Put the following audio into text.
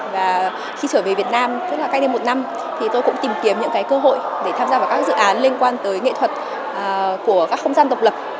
và khi trở về việt nam tức là cách đây một năm thì tôi cũng tìm kiếm những cơ hội để tham gia vào các dự án liên quan tới nghệ thuật của các không gian độc lập